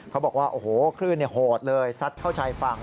เขาบอกว่าโอ้โหคลื่นโหดเลยซัดเข้าชายฝั่ง